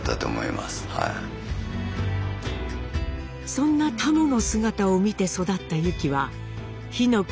そんなタモの姿を見て育ったユキは「火の国」